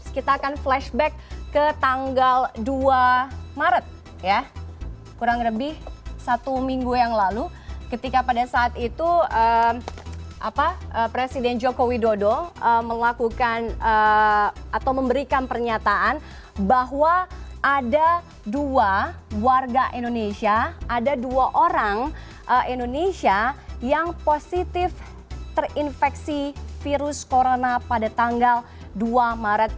kita akan flashback ke tanggal dua maret kurang lebih satu minggu yang lalu ketika pada saat itu presiden joko widodo memberikan pernyataan bahwa ada dua warga indonesia ada dua orang indonesia yang positif terinfeksi virus corona pada tanggal dua maret